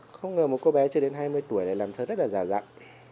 không ngờ một cô bé chưa đến hai mươi tuổi lại làm thơ rất là dà dặn